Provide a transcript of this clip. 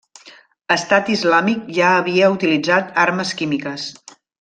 Estat Islàmic ja havia utilitzat armes químiques.